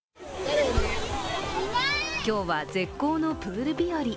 今日は絶好のプール日和。